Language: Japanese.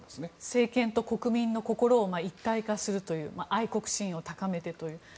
政権と国民の心を一体化するという愛国心を高めてという。